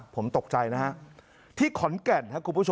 ผมตกใจนะฮะที่ขอนแก่น